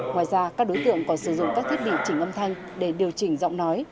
ngoài ra các đối tượng còn sử dụng các thiết bị chỉnh âm thanh để điều chỉnh giọng nói